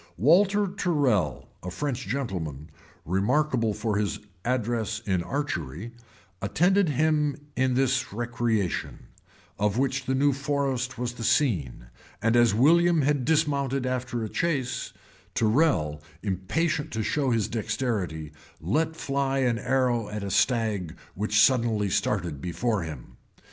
Walter Tyrrel, a French gentleman, remarkable for his address in archery, attended him in this recreation, of which the new forest was the scene: and as William had dismounted after a chase, Tyrrel, impatient to show his dexterity, let fly an arrow at a stag which suddenly started before him.